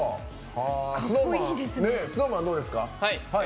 ＳｎｏｗＭａｎ、どうですか。